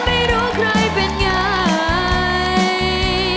ไม่รู้ใครเป็นไง